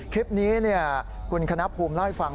คลิปนี้คุณคณะภูมิเล่าให้ฟัง